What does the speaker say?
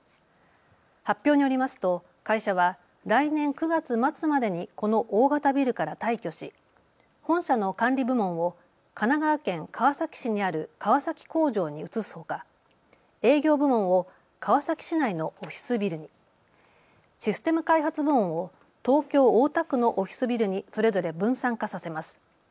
発表によりますと会社は来年９月末までにこの大型ビルから退去し本社の管理部門を神奈川県川崎市にある川崎工場に移すほか営業部門を川崎市内のオフィスビルに、システム開発部門を東京大田区のオフィスビルにそれぞれ分散化させます。